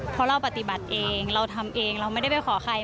เพราะเราปฏิบัติเองเราทำเองเราไม่ได้ไปขอใคร